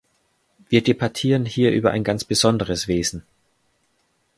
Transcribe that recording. Wir debattieren hier über ein ganz besonderes Wesen.